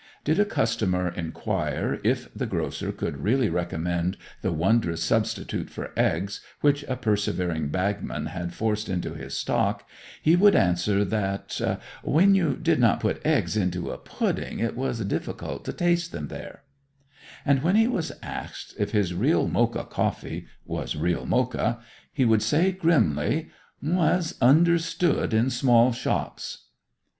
Did a customer inquire if the grocer could really recommend the wondrous substitute for eggs which a persevering bagman had forced into his stock, he would answer that 'when you did not put eggs into a pudding it was difficult to taste them there'; and when he was asked if his 'real Mocha coffee' was real Mocha, he would say grimly, 'as understood in small shops.